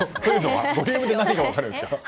ボリュームで何が分かるんですか。